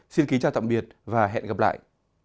xin kính chào tạm biệt và hẹn gặp lại